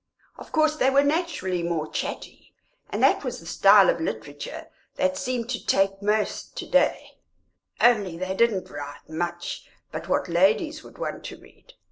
Of course, they were naturally more chatty, and that was the style of literature that seemed to take most to day; only they didn't write much but what ladies would want to read.